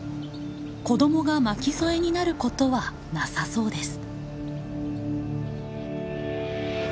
子どもが巻き添えになることはなさそうです。